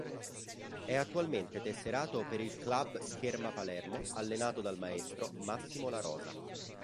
È attualmente tesserato per il Club Scherma Palermo allenato dal maestro Massimo La Rosa.